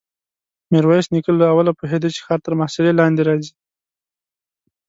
ميرويس نيکه له اوله پوهېده چې ښار تر محاصرې لاندې راځي.